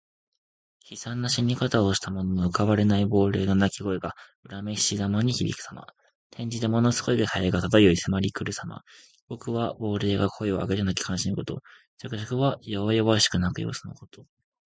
悲惨な死に方をした者の浮かばれない亡霊の泣き声が、恨めしげに響くさま。転じてものすごい気配が漂い迫りくるさま。「鬼哭」は亡霊が声を上げて泣き悲しむこと。「啾啾」は弱弱しく鳴く様子のこと。